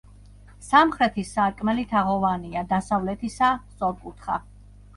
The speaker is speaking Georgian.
სამხრეთის სარკმელი თაღოვანია, დასავლეთისა სწორკუთხა.